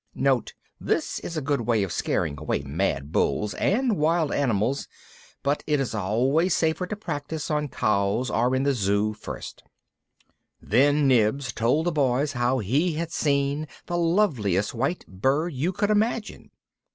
This is a good way of scaring away mad bulls and wild animals, but it is always safer to practise on cows or in the Zoo first. Then Nibs told the Boys how he had seen the loveliest white bird you could imagine.